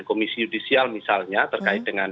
komisi yudisial misalnya terkait dengan